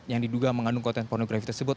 yang diduga mengandung konten pornografi tersebut